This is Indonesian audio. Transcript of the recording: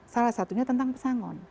salah satunya tentang pesangon